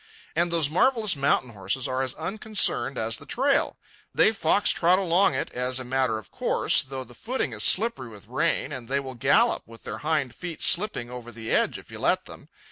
And those marvellous mountain horses are as unconcerned as the trail. They fox trot along it as a matter of course, though the footing is slippery with rain, and they will gallop with their hind feet slipping over the edge if you let them.